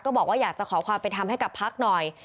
บอกว่าอยากจะขอความเป็นธรรมให้กับพักหน่อย